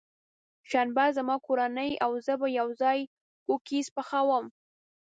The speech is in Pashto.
شنبه، زما کورنۍ او زه به یوځای کوکیز پخوم.